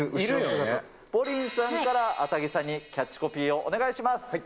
ポリンさんからアタギさんにキャッチコピーをお願いします。